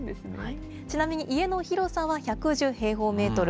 ちなみに家の広さは１１０平方メートル。